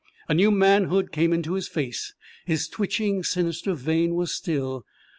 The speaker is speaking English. A new manhood came into his face; his twitching, sinister vein was still.